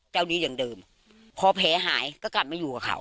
เจ้านี้อย่างเดิมพอแผลหายก็กลับมาอยู่กับเขา